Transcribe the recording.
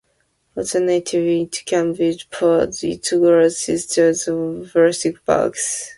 Alternatively it can be poured into glass jars or plastic bags.